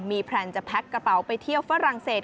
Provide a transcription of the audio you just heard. มีแพลนจะแพ็คกระเป๋าไปเที่ยวฝรั่งเศส